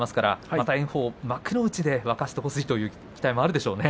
また炎鵬、幕内で沸かしてほしいという期待があるでしょうね。